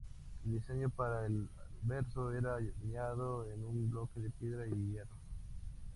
El diseño para el anverso era tallado en un bloque de piedra o hierro.